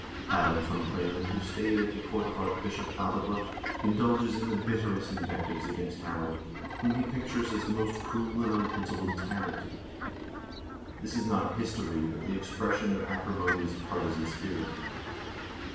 Adam v. Bremen, who stayed at the court of Archbishop Adalbert, indulges in the bitterest invectives against Harald, whom he pictures as the most cruel and unprincipled tyrant.1 This is not history, but the expression of acrimonious partisan spirit.